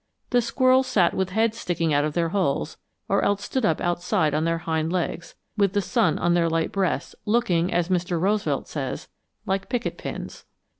The squirrels sat with heads sticking out of their holes, or else stood up outside on their hind legs, with the sun on their light breasts, looking, as Mr. Roosevelt says, like 'picket pins.'